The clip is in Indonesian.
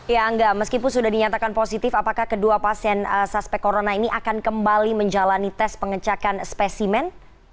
ya angga meskipun sudah dinyatakan positif apakah kedua pasien suspek corona ini akan kembali menjalani tes pengecakan spesimen